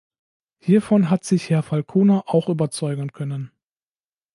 Hiervon hat sich Herr Falconer auch überzeugen können.